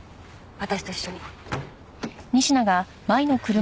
私と一緒に。